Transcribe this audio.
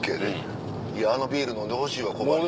いやあのビール飲んでほしいわコバに。